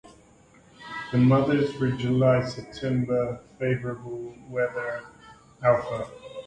The months July through September offer the most favorable weather for climbing Alpha.